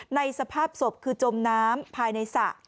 สภาพศพคือจมน้ำภายในสระ